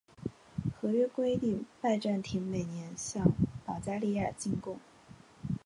合约规定拜占庭每年向保加利亚进贡。